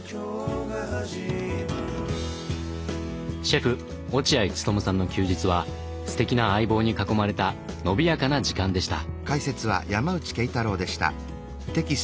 シェフ落合務さんの休日はすてきな相棒に囲まれたのびやかな時間でした。